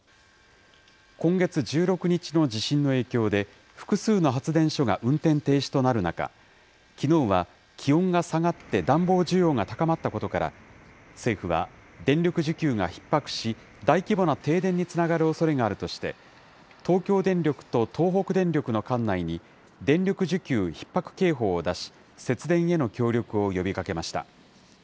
今月１６日の地震の影響で、複数の発電所が運転停止となる中、きのうは気温が下がって暖房需要が高まったことから、政府は、電力需給がひっ迫し、大規模な停電につながるおそれがあるとして、東京電力と東北電力の管内に電力需給ひっ迫警報を出し、節電への協力を呼びかけました。